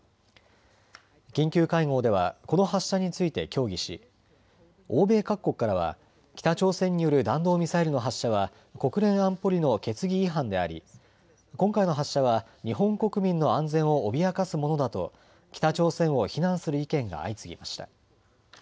緊急会合ではこの発射について協議し欧米各国からは北朝鮮による弾道ミサイルの発射は国連安保理の決議違反であり今回の発射は日本国民の安全を脅かすものだと北朝鮮を非難する意見が相次ぎました。